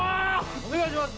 お願いします